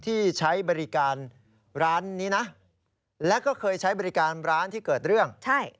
ที่ใช้บริการร้านนี้นะแล้วก็เคยใช้บริการร้านที่เกิดเรื่องใช่